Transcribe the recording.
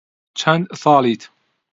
چەند ساڵیت؟